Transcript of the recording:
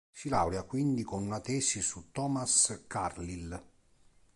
Si laurea quindi con una tesi su Thomas Carlyle.